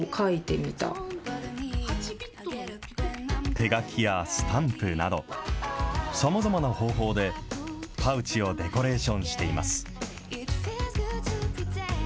手書きやスタンプなど、さまざまな方法で、パウチをデコレーションしています。